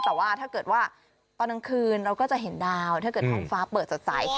แต่ว่าถ้าเกิดว่าตอนกลางคืนเราก็จะเห็นดาวถ้าเกิดท้องฟ้าเปิดสดใส